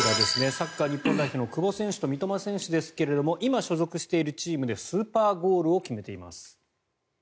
サッカー日本代表の久保選手と三笘選手ですが今所属しているチームでスーパーゴールを決めています。